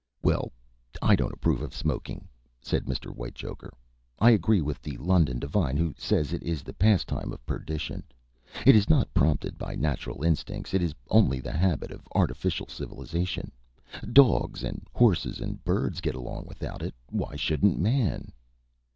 "Well, I don't approve of smoking," said Mr. Whitechoker. "I agree with the London divine who says it is the pastime of perdition. It is not prompted by natural instincts. It is only the habit of artificial civilization. Dogs and horses and birds get along without it. Why shouldn't man?"